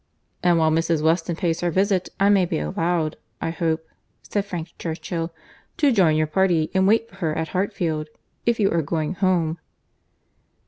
"And while Mrs. Weston pays her visit, I may be allowed, I hope," said Frank Churchill, "to join your party and wait for her at Hartfield—if you are going home."